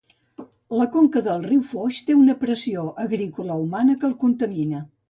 La conca del riu Foix té una pressió agrícola humana que el contamina.